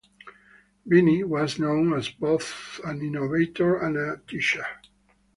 Beene was known as both an innovator and a teacher.